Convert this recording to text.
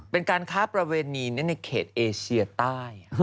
เป็นการค้าประเวณีในเขตเอเชียใต้